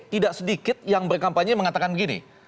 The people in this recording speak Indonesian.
tidak sedikit yang berkampanye mengatakan gini